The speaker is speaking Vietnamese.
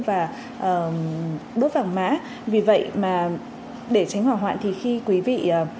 và đốt vàng mã vì vậy mà để tránh hỏa hoạn thì khi quý vị